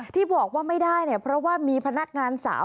ที่บอกว่าไม่ได้เนี่ยเพราะว่ามีพนักงานสาว